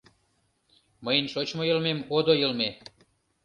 — Мыйын шочмо йылмем — одо йылме.